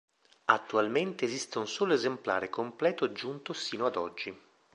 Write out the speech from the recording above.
Attualmente esiste un solo esemplare completo giunto sino ad oggi.